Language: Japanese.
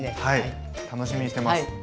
はい楽しみにしてます。